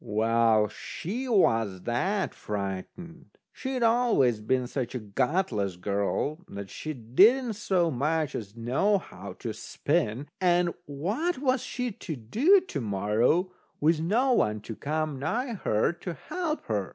Well, she was that frightened, she'd always been such a gutless girl, that she didn't so much as know how to spin, and what was she to do to morrow with no one to come nigh her to help her?